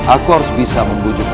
aku harus bisa membujakmu